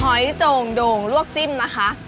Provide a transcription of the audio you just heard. หอยโจ่งโด่งลวกจิ้มนะคะ